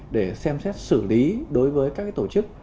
để xem xét xử lý đối với các tổ chức